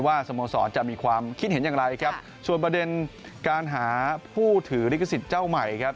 สโมสรจะมีความคิดเห็นอย่างไรครับส่วนประเด็นการหาผู้ถือลิขสิทธิ์เจ้าใหม่ครับ